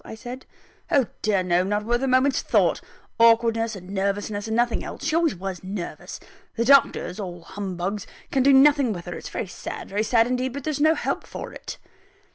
I said. "Oh dear no! not worth a moment's thought awkwardness and nervousness, nothing else she always was nervous the doctors (all humbugs) can do nothing with her it's very sad, very sad indeed; but there's no help for it."